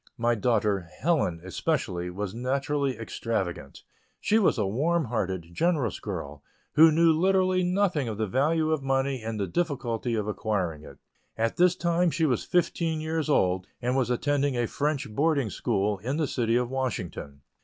My daughter Helen, especially, was naturally extravagant. She was a warm hearted, generous girl, who knew literally nothing of the value of money and the difficulty of acquiring it. At this time she was fifteen years old, and was attending a French boarding school in the City of Washington.